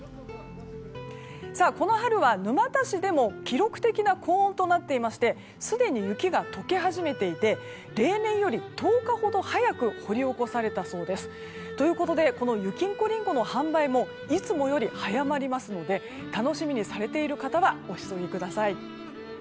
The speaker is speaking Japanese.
この春は、沼田市でも記録的な高温となっていましてすでに雪が解け始めていて例年より１０日ほど早く掘り起こされたそうです。ということでこの雪んこりんごの販売もいつもより早まりますので楽しみにされている方はお急ぎください。